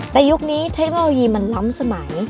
แต่ยุคนี้เทคโนโลยีมันล้ำสมัย